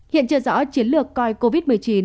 hiện chưa rõ chiến lược coi covid một mươi chín là một bệnh